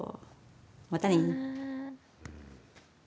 またね。